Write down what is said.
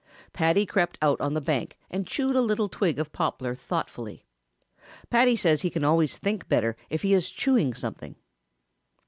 Paddy crept out on the bank and chewed a little twig of poplar thoughtfully. Paddy says he can always think better if he is chewing something.